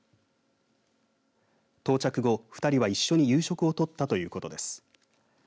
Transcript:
到着後、２人は一緒に夕食をとったということです。